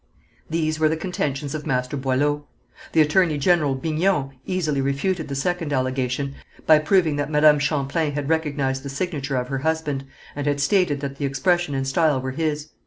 These were the contentions of Master Boileau. The attorney general Bignon easily refuted the second allegation by proving that Madame Champlain had recognized the signature of her husband, and had stated that the expression and style were his.